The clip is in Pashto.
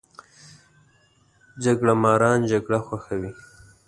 جګړه ماران جګړه خوښوي